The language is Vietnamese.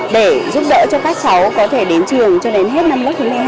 để giúp đỡ cho các cháu có thể đến trường cho đến hết năm hai nghìn một mươi hai